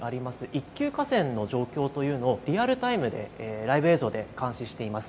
一級河川の状況というのをリアルタイムでライブ映像で監視しています。